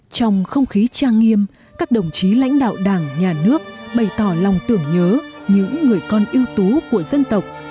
trong không khí trang nghiêm các đồng chí lãnh đạo đảng nhà nước bày tỏ lòng tưởng nhớ những người con ưu tú của dân tộc